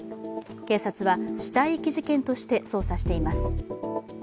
警察は死体遺棄事件として捜査しています。